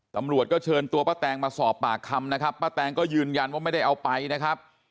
ตำรวจก็เชิญตัวป้าแตงมาสอบปากคำนะครับป้าแตงก็ยืนยันว่าไม่ได้เอาไปนะครับ